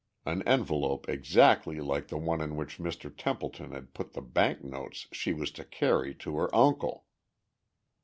An envelope exactly like the one in which Mr. Templeton had put the bank notes she was to carry to her uncle!